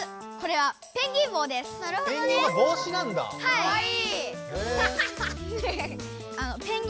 かわいい！